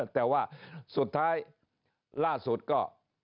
แต่ว่าสุดท้ายล่าสุดก็